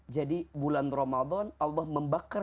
bulan ramadan allah membakar